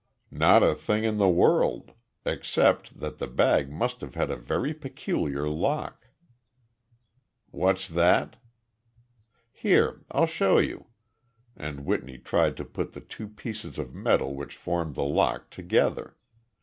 "Not a thing in the world, except that the bag must have had a very peculiar lock." "What's that?" "Here I'll show you," and Whitney tried to put the two pieces of metal which formed the lock together.